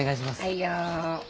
はいよ。